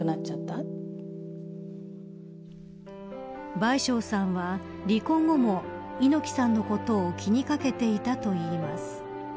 倍賞さんは離婚後も猪木さんのことを気にかけていたといいます。